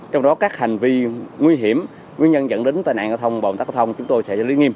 trong đó các hành vi nguy hiểm nguyên nhân dẫn đến tai nạn giao thông bộng tác giao thông chúng tôi sẽ lý nghiêm